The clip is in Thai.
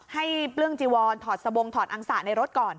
ให้เบื้องจิวรถอดสบงถอดอังสัตว์ในรถก่อน